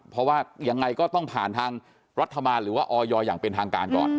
แต่ว่ายังไงก็ต้องผ่านทางรัฐมานธรรมหรือออยอยอย่างเป็นทางการ